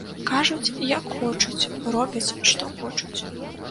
Кажуць як хочуць, робяць што хочуць.